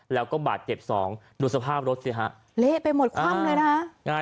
แล้วก็บาดเจ็บสองดูสภาพรถสิฮะเละไปหมดคว่ำเลยนะฮะ